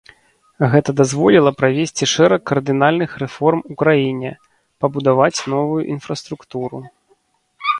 Гэта дазволіла правесці шэраг кардынальных рэформ у краіне, пабудаваць новую інфраструктуру.